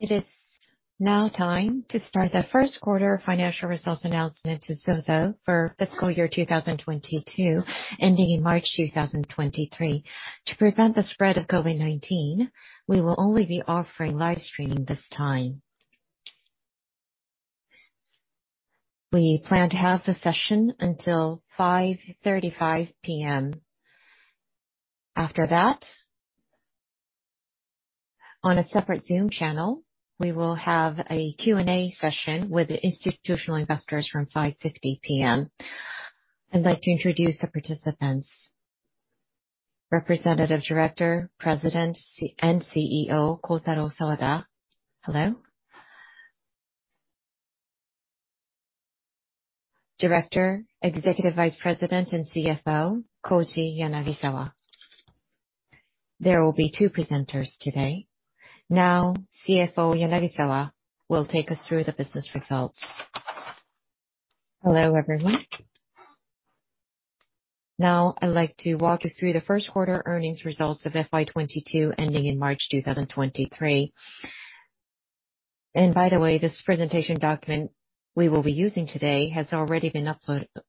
It is now time to start the First Quarter Financial Results Announcement to ZOZO for Fiscal Year 2022, ending in March 2023. To prevent the spread of COVID-19, we will only be offering live streaming this time. We plan to have the session until 5:35 P.M. After that, on a separate Zoom channel, we will have a Q&A session with the institutional investors from 5:50 P.M. I'd like to introduce the participants. Representative Director, President & CEO, Kotaro Sawada. Hello. Director, Executive Vice President, and CFO, Koji Yanagisawa. There will be two presenters today. Now, CFO Yanagisawa will take us through the business results. Hello, everyone. Now I'd like to walk you through the First Quarter Earnings Results of FY 2022 ending in March 2023. By the way, this presentation document we will be using today has already been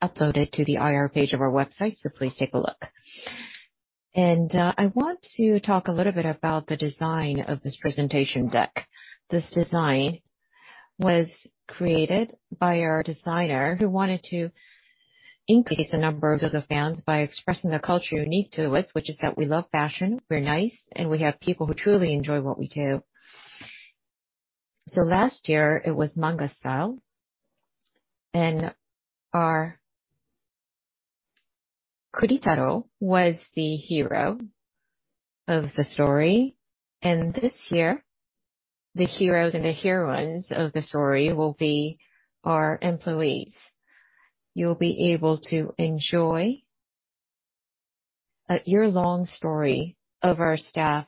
uploaded to the IR page of our website, so please take a look. I want to talk a little bit about the design of this presentation deck. This design was created by our designer who wanted to increase the numbers of the fans by expressing the culture unique to us, which is that we love fashion, we're nice, and we have people who truly enjoy what we do. Last year it was manga style, and our Kuritaro was the hero of the story. This year, the heroes and the heroines of the story will be our employees. You'll be able to enjoy a year-long story of our staff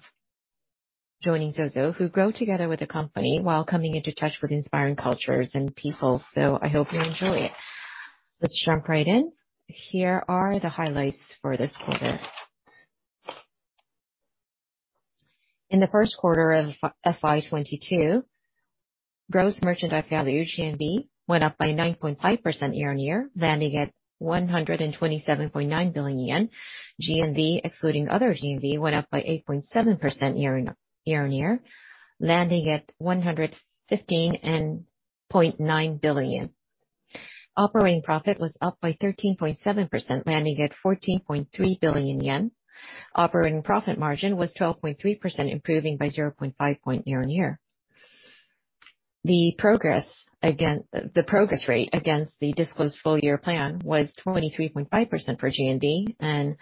joining ZOZO, who grow together with the company while coming into touch with inspiring cultures and people. I hope you enjoy it. Let's jump right in. Here are the highlights for this quarter. In the first quarter of FY 2022, gross merchandise value, GMV, went up by 9.5% year-on-year, landing at 127.9 billion yen. GMV, excluding other GMV, went up by 8.7% year-on-year, landing at 115.9 billion. Operating profit was up by 13.7%, landing at 14.3 billion yen. Operating profit margin was 12.3%, improving by 0.5 point year-on-year. The progress rate against the disclosed full year plan was 23.5% for GMV and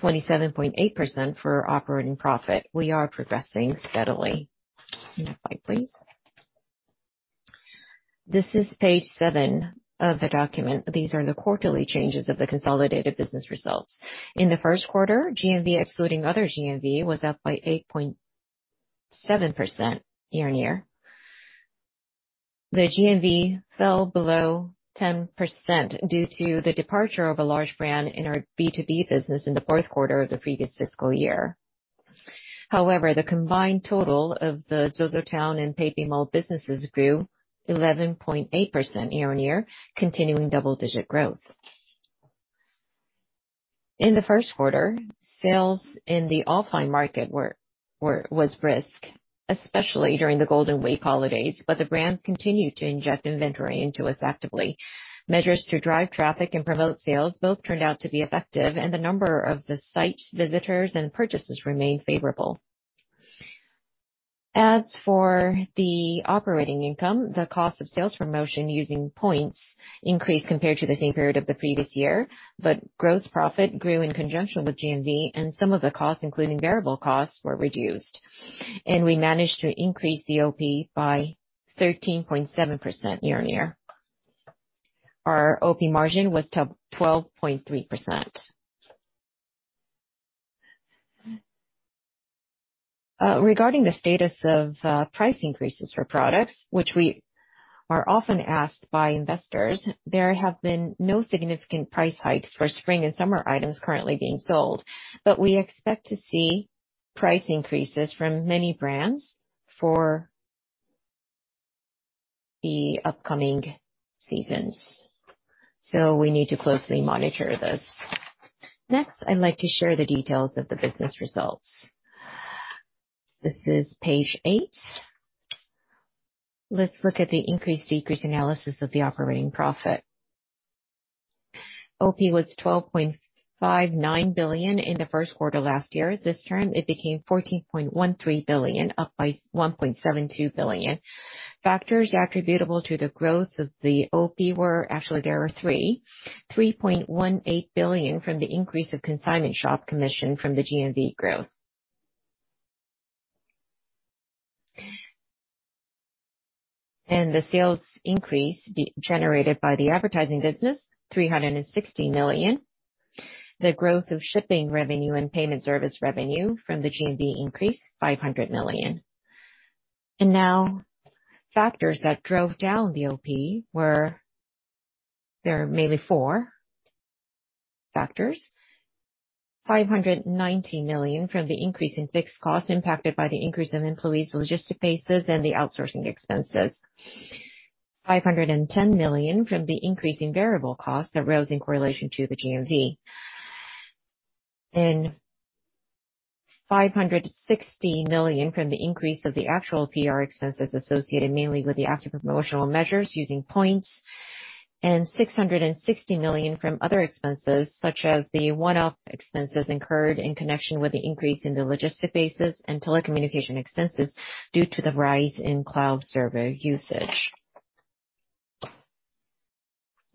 27.8% for operating profit. We are progressing steadily. Next slide, please. This is page seven of the document. These are the quarterly changes of the consolidated business results. In the first quarter, GMV, excluding other GMV, was up by 8.7% year-on-year. The GMV fell below 10% due to the departure of a large brand in our B2B business in the fourth quarter of the previous fiscal year. However, the combined total of the ZOZOTOWN and PayPay Mall businesses grew 11.8% year-on-year, continuing double-digit growth. In the first quarter, sales in the offline market were weak, especially during the Golden Week holidays, but the brands continued to inject inventory into us actively. Measures to drive traffic and promote sales both turned out to be effective, and the number of the site visitors and purchases remained favorable. As for the operating income, the cost of sales promotion using points increased compared to the same period of the previous year, but gross profit grew in conjunction with GMV, and some of the costs, including variable costs, were reduced. We managed to increase the OP by 13.7% year-on-year. Our OP margin was twelve point three percent. Regarding the status of price increases for products, which we are often asked by investors, there have been no significant price hikes for spring and summer items currently being sold, but we expect to see price increases from many brands for the upcoming seasons, so we need to closely monitor this. Next, I'd like to share the details of the business results. This is page eight. Let's look at the increase/decrease analysis of the operating profit. OP was 12.59 billion in the first quarter last year. This term it became 14.13 billion, up by 1.72 billion. Factors attributable to the growth of the OP were. Actually, there are three. 3.18 billion from the increase of consignment shop commission from the GMV growth. The sales increase generated by the advertising business, 360 million. The growth of shipping revenue and payment service revenue from the GMV increase, 500 million. Factors that drove down the OP. There are mainly four factors. 590 million from the increase in fixed costs impacted by the increase in employees, logistic bases, and the outsourcing expenses. 510 million from the increase in variable costs that rose in correlation to the GMV. 560 million from the increase of the actual PR expenses associated mainly with the active promotional measures using points, and 660 million from other expenses such as the one-off expenses incurred in connection with the increase in the logistics bases and telecommunication expenses due to the rise in cloud server usage.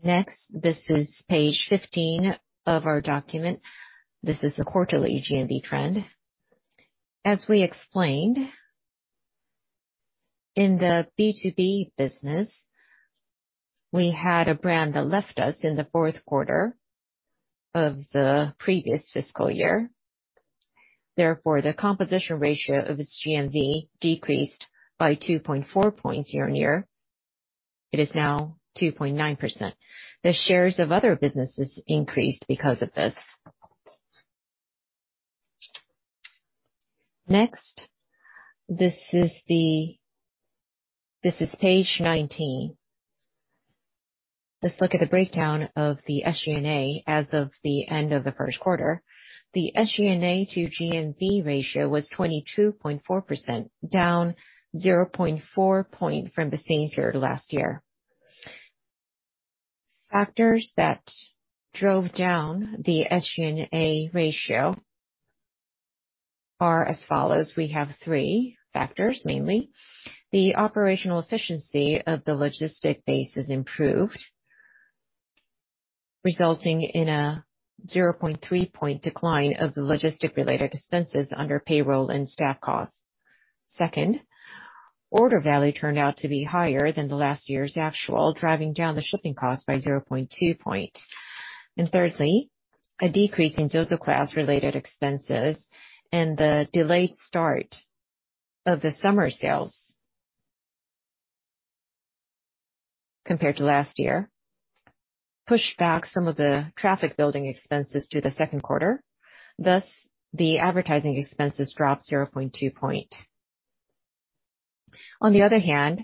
Next, this is page 15 of our document. This is the quarterly GMV trend. As we explained, in the B2B business, we had a brand that left us in the fourth quarter of the previous fiscal year. Therefore, the composition ratio of its GMV decreased by 2.4 points year-on-year. It is now 2.9%. The shares of other businesses increased because of this. Next, this is page 19. Let's look at the breakdown of the SG&A as of the end of the first quarter. The SG&A to GMV ratio was 22.4%, down 0.4 point from the same period last year. Factors that drove down the SG&A ratio are as follows. We have three factors mainly. The operational efficiency of the logistic base is improved, resulting in a 0.3 point decline of the logistic-related expenses under payroll and staff costs. Second, order value turned out to be higher than the last year's actual, driving down the shipping cost by 0.2 point. Thirdly, a decrease in Zozo Cloud's related expenses and the delayed start of the summer sales compared to last year pushed back some of the traffic building expenses to the second quarter, thus the advertising expenses dropped 0.2 point. On the other hand,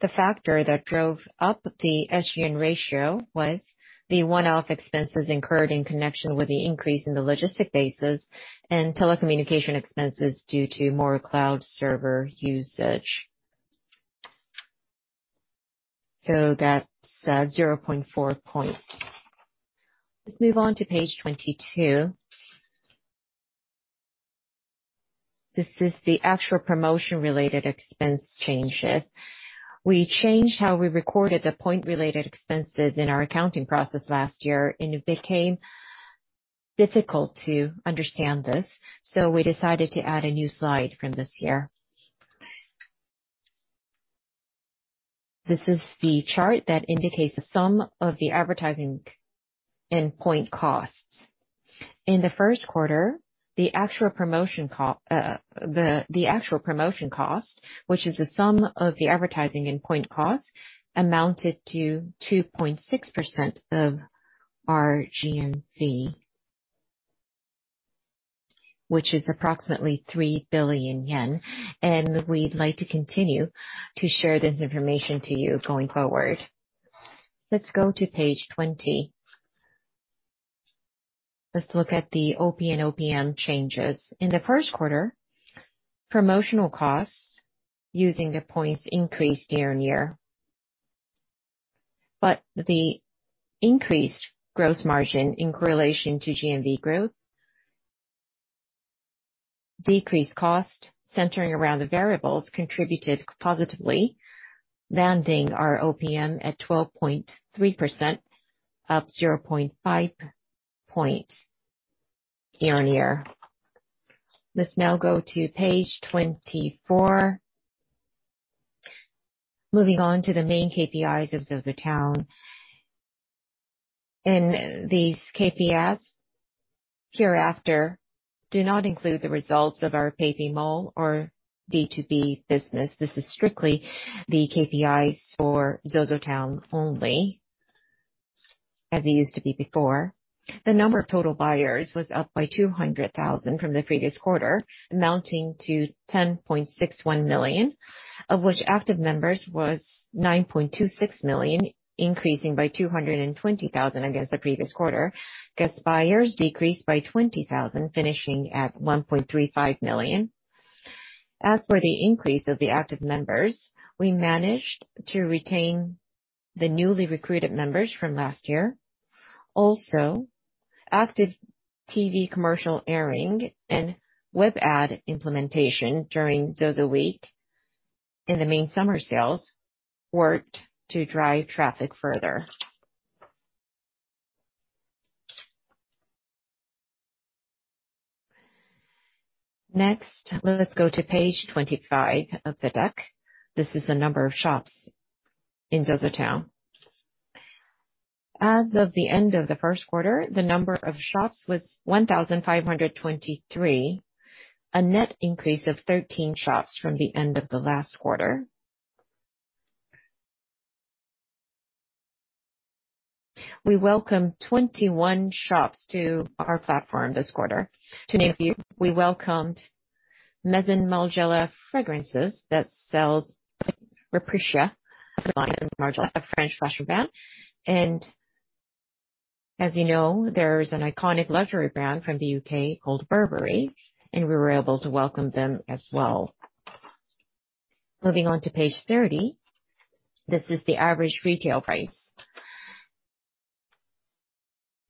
the factor that drove up the SG&A ratio was the one-off expenses incurred in connection with the increase in the logistic bases and telecommunication expenses due to more cloud server usage. That's 0.4 point. Let's move on to page 22. This is the actual promotion-related expense changes. We changed how we recorded the point-related expenses in our accounting process last year, and it became difficult to understand this, so we decided to add a new slide from this year. This is the chart that indicates the sum of the advertising and point costs. In the first quarter, the actual promotion cost, which is the sum of the advertising and point cost, amounted to 2.6% of our GMV, which is approximately 3 billion yen. We'd like to continue to share this information to you going forward. Let's go to page 20. Let's look at the OP and OPM changes. In the first quarter, promotional costs using the points increased year-on-year, but the increased gross margin in correlation to GMV growth decreased cost centering around the variables contributed positively, landing our OPM at 12.3%, up 0.5 point year-on-year. Let's now go to page 24. Moving on to the main KPIs of ZOZOTOWN. These KPIs hereafter do not include the results of our PayPay Mall or B2B business. This is strictly the KPIs for ZOZOTOWN only, as it used to be before. The number of total buyers was up by 200,000 from the previous quarter, amounting to 10.61 million, of which active members was 9.26 million, increasing by 220,000 against the previous quarter. Guest buyers decreased by 20,000, finishing at 1.35 million. As for the increase of the active members, we managed to retain the newly recruited members from last year. Active TV commercial airing and web ad implementation during ZOZOWEEK in the main summer sales worked to drive traffic further. Next, let's go to page 25 of the deck. This is the number of shops in ZOZOTOWN. As of the end of the first quarter, the number of shops was 1,523, a net increase of 13 shops from the end of the last quarter. We welcomed 21 shops to our platform this quarter. To name a few, we welcomed Maison Margiela Fragrances that sells Replica by Maison Margiela, a French fashion brand. As you know, there's an iconic luxury brand from the U.K. called Burberry, and we were able to welcome them as well. Moving on to page 30. This is the average retail price.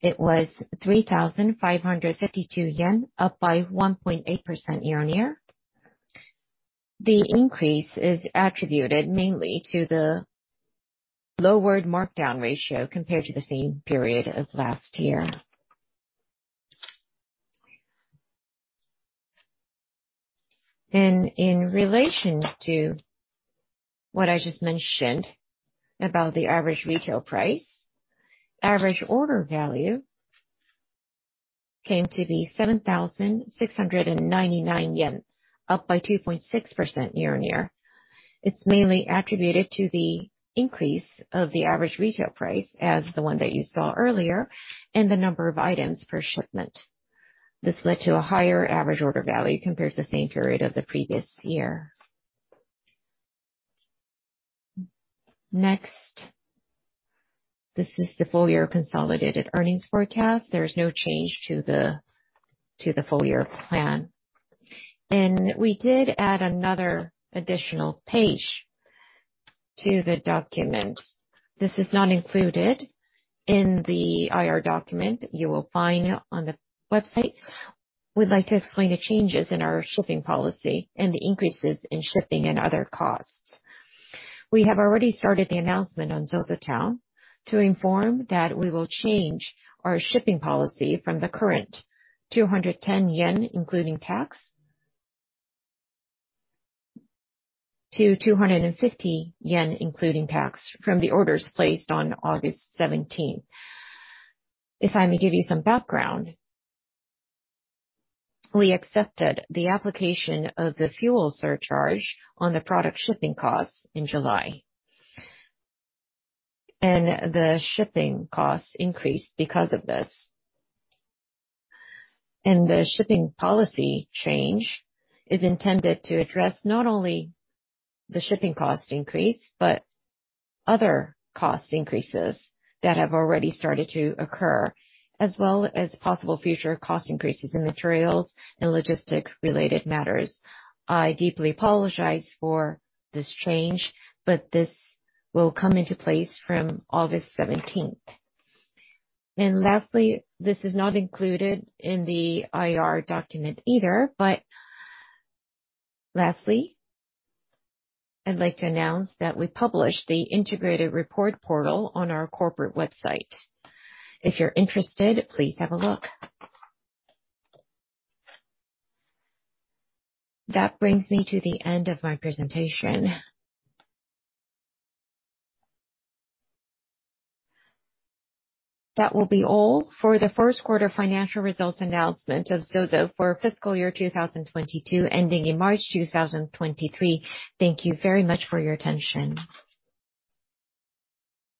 It was 3,552 yen, up by 1.8% year-on-year. The increase is attributed mainly to the lowered markdown ratio compared to the same period of last year. In relation to what I just mentioned about the average retail price, average order value came to be 7,699 yen, up by 2.6% year-on-year. It's mainly attributed to the increase of the average retail price as the one that you saw earlier, and the number of items per shipment. This led to a higher average order value compared to the same period of the previous year. Next. This is the full year consolidated earnings forecast. There is no change to the full year plan. We did add another additional page to the document. This is not included in the IR document you will find on the website. We'd like to explain the changes in our shipping policy and the increases in shipping and other costs. We have already started the announcement on ZOZOTOWN to inform that we will change our shipping policy from the current 210 yen, including tax, to 250 yen, including tax from the orders placed on August seventeenth. If I may give you some background, we accepted the application of the fuel surcharge on the product shipping costs in July. The shipping costs increased because of this. The shipping policy change is intended to address not only the shipping cost increase, but other cost increases that have already started to occur, as well as possible future cost increases in materials and logistics-related matters. I deeply apologize for this change, but this will come into place from August seventeenth. Lastly, this is not included in the IR document either. Lastly, I'd like to announce that we published the integrated report portal on our corporate website. If you're interested, please have a look. That brings me to the end of my presentation. That will be all for the First Quarter Financial Results Announcement of ZOZO for Fiscal Year 2022, ending in March 2023. Thank you very much for your attention.